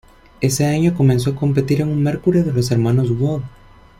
Ese año comenzó a competir en un Mercury de los hermanos Wood.